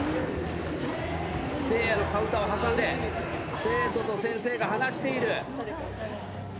せいやのカウンターを挟んで生徒と先生が話している。